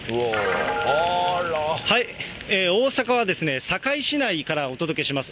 大阪は、堺市内からお届けします。